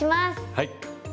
はい。